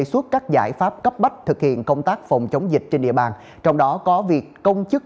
xuất các giải pháp cấp bách thực hiện công tác phòng chống dịch trên địa bàn trong đó có việc công chức